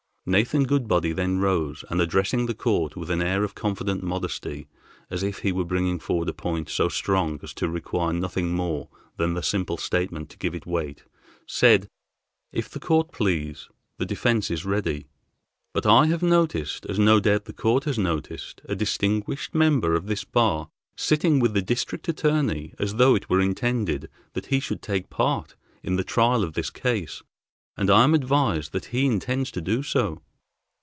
Nathan Goodbody then rose, and, addressing the court with an air of confident modesty, as if he were bringing forward a point so strong as to require nothing more than the simple statement to give it weight, said: "If the court please, the defense is ready, but I have noticed, as no doubt the court has noticed, a distinguished member of this bar sitting with the District Attorney as though it were intended that he should take part in the trial of this case, and I am advised that he intends to do so.